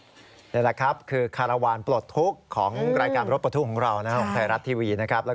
นี่แหละครับคือคารวาลปลดทุกข์ของรายการรถปลดทุกของเรานะครับ